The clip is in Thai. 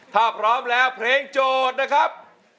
ถ้าพร้อมแล้วเพลงโจทย์นะครับ